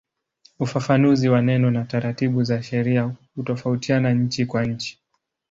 Ufafanuzi wa neno na taratibu za sheria hutofautiana nchi kwa nchi.